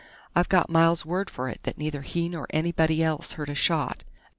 I've got Miles' word for it that neither he nor anybody else heard a shot....